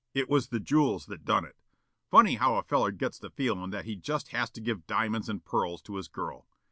It was the jewels that done it. Funny how a feller gets the feelin' that he just has to give diamonds and pearls to his girl.